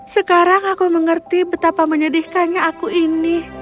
sekarang aku mengerti betapa menyedihkannya aku ini